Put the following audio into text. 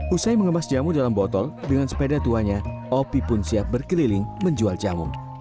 usai mengemas jamu dalam botol dengan sepeda tuanya opi pun siap berkeliling menjual jamu